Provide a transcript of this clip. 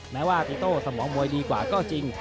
แม้ว่าปีโต้สมองมวยดีกว่าก็จริง